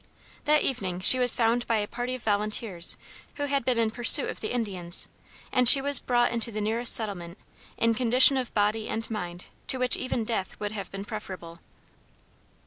That evening she was found by a party of volunteers who had been in pursuit of the Indians, and she was brought into the nearest settlement in a condition of body and mind to which even death would have been preferable.